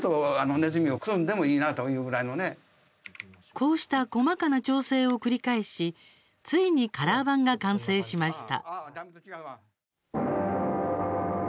こうした細かな調整を繰り返しついにカラー版が完成しました。